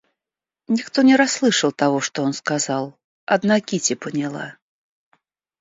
Никто не расслышал того, что он сказал, одна Кити поняла.